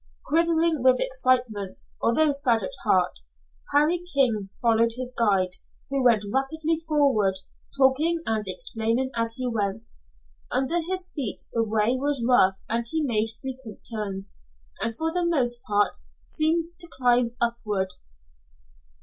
Quivering with excitement, although sad at heart, Harry King followed his guide, who went rapidly forward, talking and explaining as he went. Under his feet the way was rough and made frequent turns, and for the most part seemed to climb upward.